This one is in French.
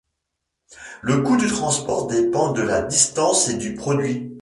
Le coût du transport dépend de la distance et du produit.